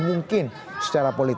mungkin secara politik